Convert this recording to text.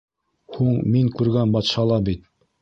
Һуң мин күргән батша ла бит...